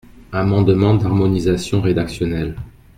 Amendement d’harmonisation rédactionnelle.